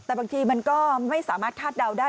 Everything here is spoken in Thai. แต่บางทีมันก็ไม่สามารถคาดเดาได้